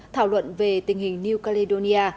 thảo luận về tình hình new caledonia